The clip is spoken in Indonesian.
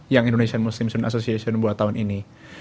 yang indonesian muslim association buat tahun ini